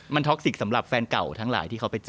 มันท็อกสิกสำหรับแฟนเก่าทั้งหลายที่เขาไปเจอ